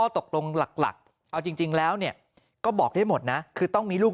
ตกลงหลักเอาจริงแล้วก็บอกได้หมดนะคือต้องมีลูก